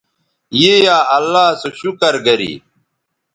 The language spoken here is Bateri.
ی یا اللہ سو شکر گری